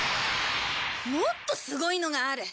もっとすごいのがある。